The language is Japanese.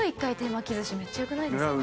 巻きずしめっちゃよくないですか？